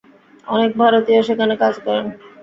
অনেক ভারতীয় সেখানে কাজ করেন।